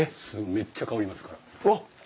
めっちゃ香りますから。